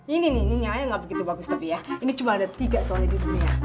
ini nih ini nyayang nggak begitu bagus tapi ya ini cuma ada tiga soalnya di dunia